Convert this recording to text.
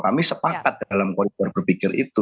kami sepakat dalam koridor berpikir itu